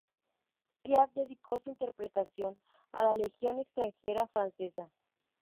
Piaf dedicó su interpretación a la Legión Extranjera Francesa.